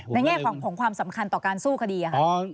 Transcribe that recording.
แง่ของความสำคัญต่อการสู้คดีค่ะ